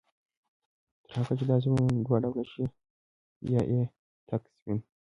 تر هغه چي دا زړونه دوه ډوله شي، يو ئې تك سپين